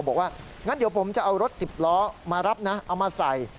บอกว่างั้นเดี๋ยวผมจะเอารถสิบล้อมารับนะเอามาใส่